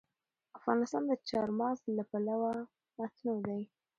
افغانستان د چار مغز له پلوه متنوع دی.